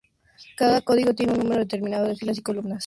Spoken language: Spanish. Cada código tiene un número determinado de filas y columnas.